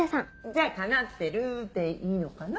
じゃあ叶ってるでいいのかな？